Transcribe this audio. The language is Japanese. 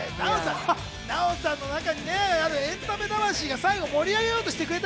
ナヲさんの中にあるエンタメ魂が最後盛り上げようとしてくれて。